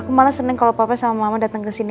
aku malah seneng kalau papa sama mama datang ke sini